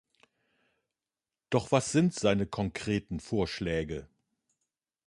Doch was sind seine konkreten Vorschläge?